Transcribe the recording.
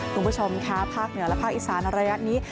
คุณผู้ชมค่ะภาคเหนือและภาคอีสานระยะนี้